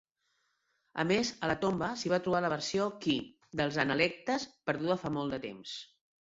A més, a la tomba s'hi va trobar la "versió Qi" dels Analectes, perduda fa molt de temps.